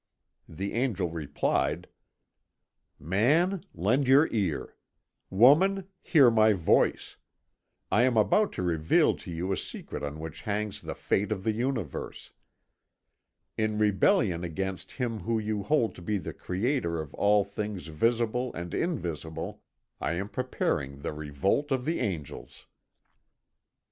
The Angel replied: "Man, lend your ear. Woman, hear my voice. I am about to reveal to you a secret on which hangs the fate of the Universe. In rebellion against Him whom you hold to be the Creator of all things visible and invisible, I am preparing the Revolt of the Angels."